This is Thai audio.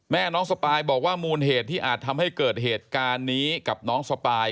น้องสปายบอกว่ามูลเหตุที่อาจทำให้เกิดเหตุการณ์นี้กับน้องสปาย